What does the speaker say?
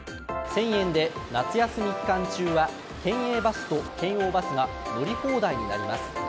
１０００円で夏休み期間中は県営バスと県央バスが乗り放題になります。